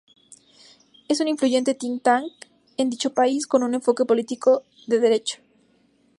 Es un influyente "think tank" en dicho país, con un enfoque político de derecha.